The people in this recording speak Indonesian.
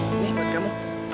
ini buat kamu